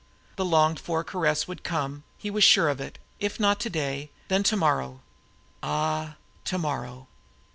The longed for caress would come, he was sure of it, if not today, then tomorrow. Ah, tomorrow!